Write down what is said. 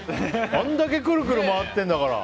あんだけくるくる回ってるんだから。